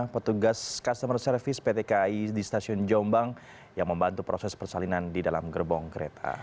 petugas customer service pt kai di stasiun jombang yang membantu proses persalinan di dalam gerbong kereta